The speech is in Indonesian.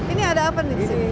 ini ada apa nih disini